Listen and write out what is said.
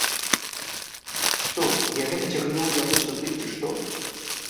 Што, я гэта цягнуў яго сюды, ці што?